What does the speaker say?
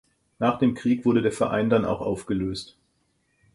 Nach dem Krieg wurde der Verein dann auch aufgelöst.